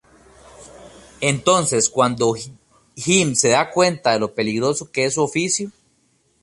Es entonces cuando Jim se da cuenta de lo peligroso que es su oficio.